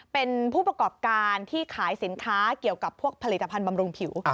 เป็นผู้ประกอบการที่ขายสินค้าเกี่ยวกับพวกผลิตภัณฑ์บำรุงผิว